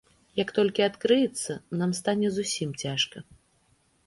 Як толькі адкрыецца, нам стане зусім цяжка.